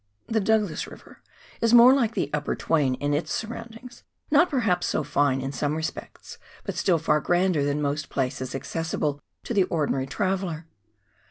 The Douglas River is more like the upper Twain in its surroundings, not perhaps so fine in some respects, but still far grander than most places accessible to the ordinary traveller.